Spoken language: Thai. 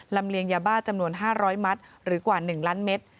เลียงยาบ้าจำนวน๕๐๐มัตต์หรือกว่า๑ล้านเมตร